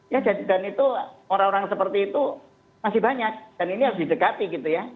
ya dan itu orang orang seperti itu masih banyak dan ini harus didekati gitu ya